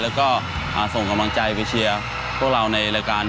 แล้วก็ส่งกำลังใจไปเชียร์พวกเราในรายการ